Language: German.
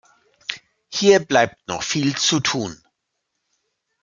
Hier bleibt noch viel zu tun.